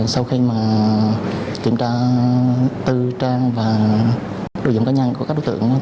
sau khi kiểm tra tư trang và đồ dùng cá nhân của các đối tượng